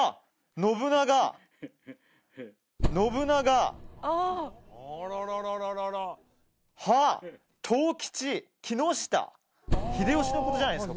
信長信長はあ藤吉木下秀吉のことじゃないですか？